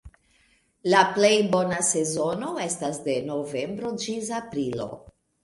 La plej bona sezono estas de novembro ĝis aprilo.